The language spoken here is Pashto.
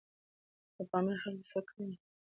د پامیر خلک څه کوي؟